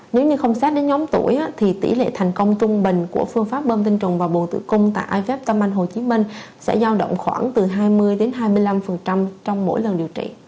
nếu như không xét đến nhóm tuổi thì tỷ lệ thành công trung bình của phương pháp bơm tinh trùng và buồn tự cung tại iv tâm anh hồ chí minh sẽ giao động khoảng từ hai mươi đến hai mươi năm trong mỗi lần điều trị